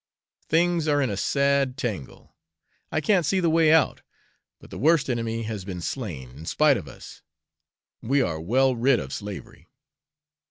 Things are in a sad tangle; I can't see the way out. But the worst enemy has been slain, in spite of us. We are well rid of slavery."